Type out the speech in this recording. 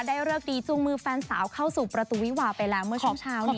เลิกดีจูงมือแฟนสาวเข้าสู่ประตูวิวาไปแล้วเมื่อช่วงเช้านี้